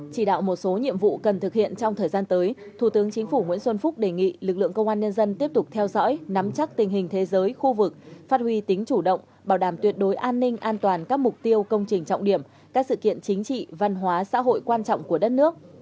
chỉ đạo một số nhiệm vụ cần thực hiện trong thời gian tới thủ tướng chính phủ nguyễn xuân phúc đề nghị lực lượng công an nhân dân tiếp tục theo dõi nắm chắc tình hình thế giới khu vực phát huy tính chủ động bảo đảm tuyệt đối an ninh an toàn các mục tiêu công trình trọng điểm các sự kiện chính trị văn hóa xã hội quan trọng của đất nước